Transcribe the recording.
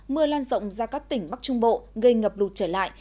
mưa lan rộng ra các tỉnh bắc trung bộ gây ngập lụt trở lại